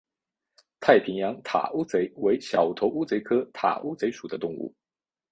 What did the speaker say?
太平洋塔乌贼为小头乌贼科塔乌贼属的动物。